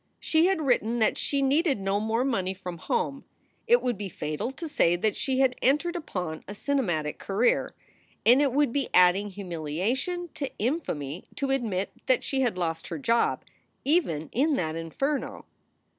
She had written that she needed no more money from home. It would be fatal to say that she had entered upon a cinematic career. And it would be adding humilia tion to infamy to admit that she had lost her job even in that inferno.